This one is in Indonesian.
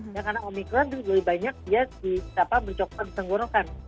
ya karena omikron itu lebih banyak ya di berapa mencoklat di tenggorokan